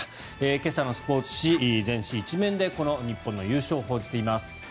今朝のスポーツ紙全紙１面でこの日本の優勝を報じています。